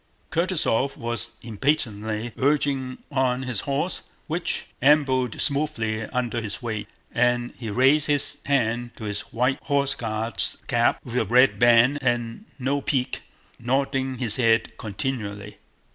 Kutúzov was impatiently urging on his horse, which ambled smoothly under his weight, and he raised his hand to his white Horse Guard's cap with a red band and no peak, nodding his head continually.